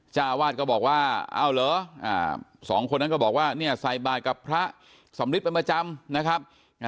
เจ้าวาดก็บอกว่าเอาเหรอสองคนนั้นก็บอกว่าเนี่ยใส่บาทกับพระสำริดเป็นประจำนะครับ